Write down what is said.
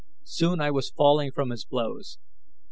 Soon I was falling from his blows.